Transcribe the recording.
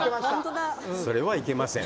それはいけません。